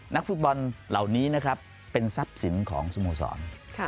นักฟุตบอลเหล่านี้นะครับเป็นทรัพย์สินของสโมสร